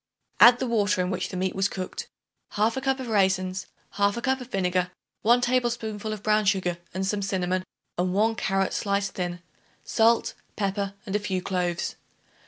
Add the water in which the meat was cooked, 1/2 cup of raisins, 1/2 cup of vinegar, 1 tablespoonful of brown sugar and some cinnamon and 1 carrot sliced thin, salt, pepper and a few cloves.